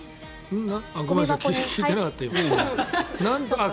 ごめんなさい聞いてなかった、今。